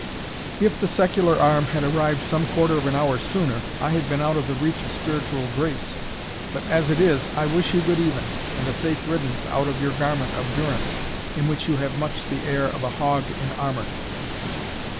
If the secular arm had arrived some quarter of an hour sooner, I had been out of the reach of spiritual grace; but as it is, I wish you good even, and a safe riddance out of your garment of durance, in which you have much the air of a hog in armour."